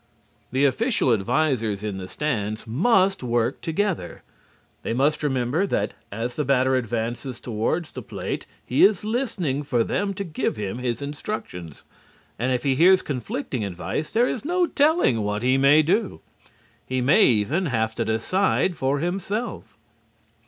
The official advisers in the stands must work together. They must remember that as the batter advances toward the plate he is listening for them to give him his instructions, and if he hears conflicting advice there is no telling what he may do. He may even have to decide for himself.